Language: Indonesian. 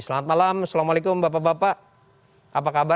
selamat malam assalamualaikum bapak bapak apa kabar